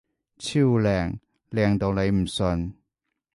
超靚！靚到你唔信！